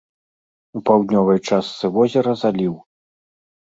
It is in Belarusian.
У паўднёвай частцы возера заліў.